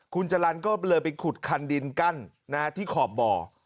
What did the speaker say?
คุณจรรย์ก็เลยไปขุดคันดินกั้นที่ขอบบ่อ